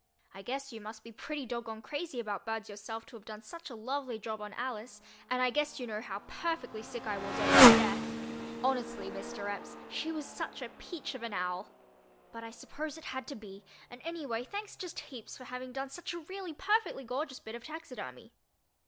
I guess you must be pretty dog goned crazy about birds yourself to have done such a lovely job on Alice, and I guess you know how perfectly sick I was over her death. Honestly, Mr. Epps, she was such a peach of an owl. But I suppose it had to be, and anyway, thanks just heaps for having done such a really perfectly gorgeous bit of taxidermy.